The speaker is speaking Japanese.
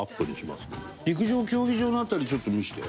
陸上競技場の辺りちょっと見せて。